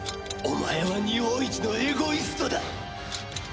お前は日本一のエゴイストだ！